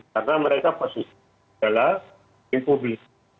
karena mereka positif adalah tim publik